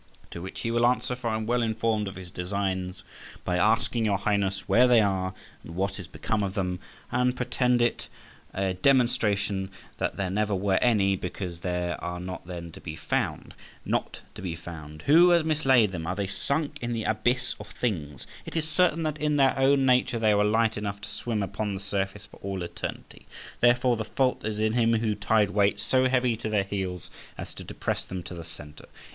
To which he will answer—for I am well informed of his designs—by asking your Highness where they are, and what is become of them? and pretend it a demonstration that there never were any, because they are not then to be found. Not to be found! Who has mislaid them? Are they sunk in the abyss of things? It is certain that in their own nature they were light enough to swim upon the surface for all eternity; therefore, the fault is in him who tied weights so heavy to their heels as to depress them to the centre.